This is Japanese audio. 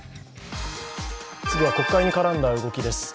次は国会に絡んだ動きです。